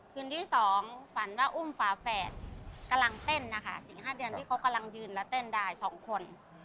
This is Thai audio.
คืนที่๒ฝันว่าอุ้มฝาแฝดกำลังเต้นนะคะ๔๕เดือนที่เขากำลังยืนและเต้นได้๒คน